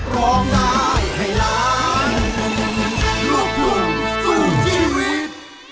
ร้องได้ให้ล้านลูกทุ่งสู้ชีวิต